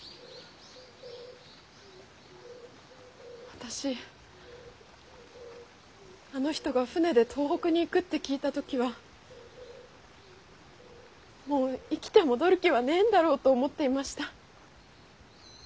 私あの人が船で東北に行くって聞いた時はもう生きて戻る気はねぇんだろうと思っていました。